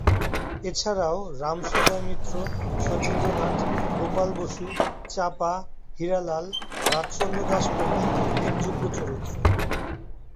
এছাড়াও, রামসদয় মিত্র, শচীন্দ্রনাথ, গোপাল বসু, চাঁপা, হীরালাল, রাজচন্দ্র দাস প্রমূখ উল্লেখযোগ্য চরিত্র।